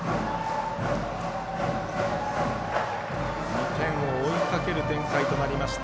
２点を追いかける展開となりました